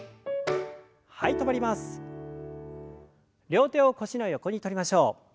両手を腰の横にとりましょう。